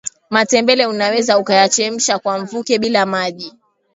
matembele unaweza ukayachemsha kwa mvuke bila maji